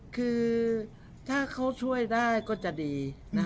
คือถ้าเขาช่วยได้ก็จะดี